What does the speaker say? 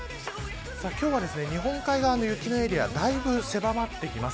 今日は、日本海側の雪のエリアだいぶ狭まってきます。